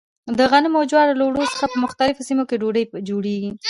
د غنمو او جوارو له اوړو څخه په مختلفو سیمو کې ډوډۍ جوړېږي.